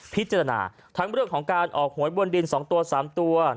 พิจารณาทั้งเรื่องของการออกหวยบนดิน๒ตัว๓ตัว